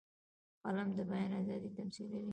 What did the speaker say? قلم د بیان آزادي تمثیلوي